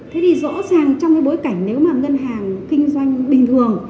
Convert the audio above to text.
thế thì rõ ràng trong cái bối cảnh nếu mà ngân hàng kinh doanh bình thường